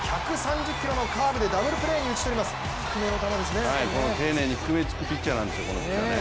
１３０キロのカーブでダブルプレーに討ち取ります、低めの球ですね。